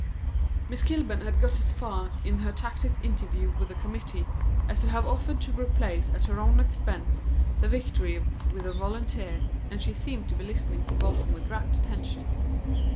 Miss Kilburn had got as far, in her tacit interview with the committee, as to have offered to replace at her own expense the Victory with a Volunteer, and she seemed to be listening to Bolton with rapt attention.